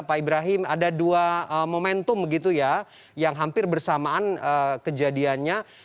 pak ibrahim ada dua momentum begitu ya yang hampir bersamaan kejadiannya